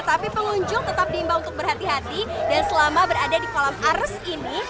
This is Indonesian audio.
tapi pengunjung tetap diimbau untuk berhati hati dan selama berada di kolam arus ini